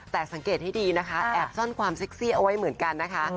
แต่สังเกตให้ดีนะคะแอบซ่อนความเซ็กซี่เอาไว้เหมือนกันนะคะ